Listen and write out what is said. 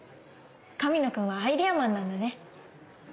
神野くんはアイデアマンなんだね。